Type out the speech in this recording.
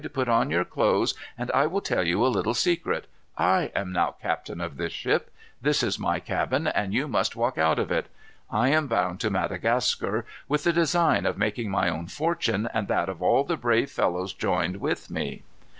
"Put on your clothes, and I will tell you a little secret. I am now captain of this ship. This is my cabin, and you must walk out of it. I am bound to Madagascar, with the design of making my own fortune and that of all the brave fellows joined with me."